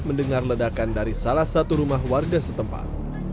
mendengar ledakan dari salah satu rumah warga setempat